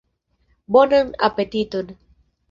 Bonan apetiton!